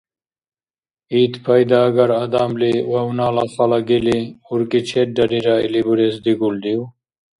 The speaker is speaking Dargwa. Ит пайдаагар адамли вавнала хала гили, уркӀичеррарира или бурес дигулрив?